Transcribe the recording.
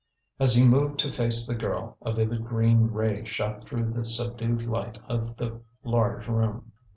As he moved to face the girl, a vivid green ray shot through the subdued light of the large room.